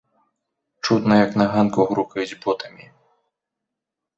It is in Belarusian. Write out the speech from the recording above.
Чутна, як на ганку грукаюць ботамі.